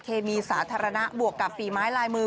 เคมีสาธารณะบวกกับฝีไม้ลายมือ